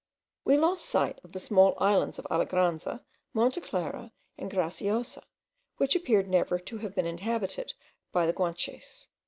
We lost sight of the small islands of Alegranza, Montana Clara, and Graciosa, which appear never to have been inhabited by the Guanches.